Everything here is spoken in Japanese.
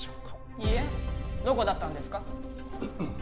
いえどこだったんですか？